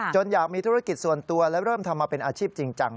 อยากมีธุรกิจส่วนตัวและเริ่มทำมาเป็นอาชีพจริงจัง